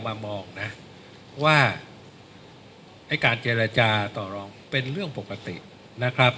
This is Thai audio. มามองนะว่าไอ้การเจรจาต่อรองเป็นเรื่องปกตินะครับ